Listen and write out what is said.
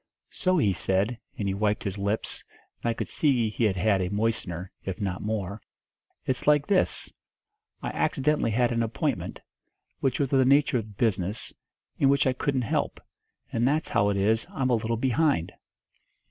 So he said, and he wiped his lips, and I could see he had had a moistener, if not more, 'It's like this I accidentally had an appointment, which was of the nature of business, and which I couldn't help; and that's how it is I'm a little behind!'